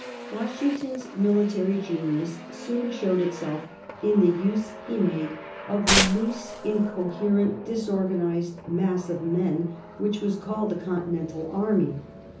Washington's military genius soon showed itself in the use he made of the loose, incoherent, disorganized mass of men which was called the Continental Army.